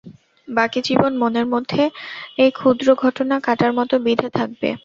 বাকি জীবন মনের মধ্যে এই ক্ষুদ্র ঘটনা কাঁটার মত বিধে থাকবে।